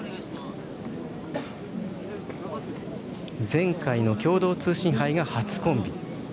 前回の共同通信杯が初コンビ。